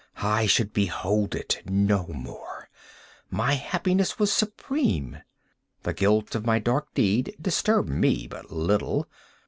I should behold it no more! My happiness was supreme! The guilt of my dark deed disturbed me but little.